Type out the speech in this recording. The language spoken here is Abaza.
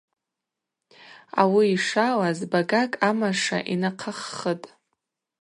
Ауи йшалаз багакӏ амаша йнахъаххытӏ.